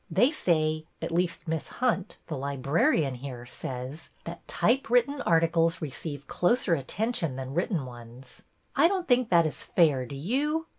They say — at least Miss Hunt, the librarian here, says — that type written articles receive closer attention than written ones. I don't think that is fair, do you?